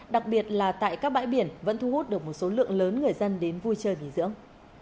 đặc biệt là tại các bãi biển vẫn thu hút được một số lượng lớn người dân đến vui chơi nghỉ dưỡng